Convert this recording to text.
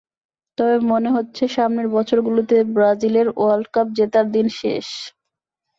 তবে মনে হচ্ছে সামনের বছরগুলোতে ব্রাজিলের ওয়ার্ল্ড কাপ জেতার দিন শেষ।